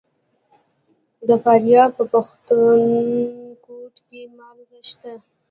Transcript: د فاریاب په پښتون کوټ کې مالګه شته.